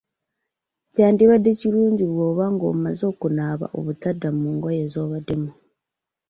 Kyandibadde kirungi bwoba ng'omaze okunaaba obutadda mu ngoye z'obaddemu